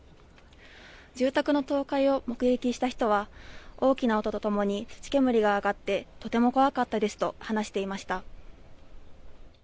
住宅の倒壊を目撃した人は大きな音とともに土煙があがってとても怖かったですと話していました。